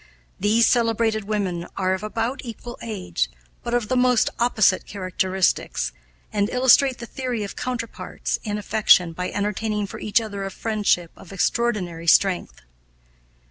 These celebrated women are of about equal age, but of the most opposite characteristics, and illustrate the theory of counterparts in affection by entertaining for each other a friendship of extraordinary strength.